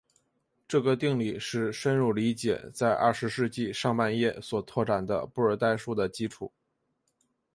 这个定理是深入理解在二十世纪上半叶所拓展的布尔代数的基础。